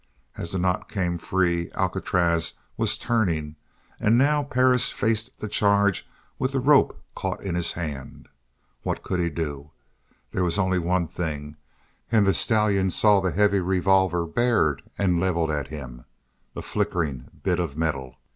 As the knot came free Alcatraz was turning and now Perris faced the charge with the rope caught in his hand. What could he do? There was only one thing, and the stallion saw the heavy revolver bared and levelled at him, a flickering bit of metal.